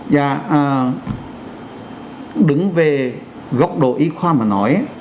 dạ đứng về góc độ y khoa mà nói